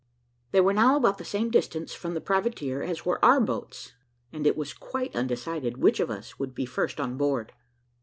They were now about the same distance from the privateer as were our boats, and it was quite undecided which of us would be first on board.